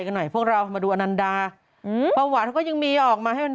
กันหน่อยพวกเรามาดูอันนันดาอืมวันก็ยังมีออกมาให้เป็น